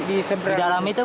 di dalam itu berapa desa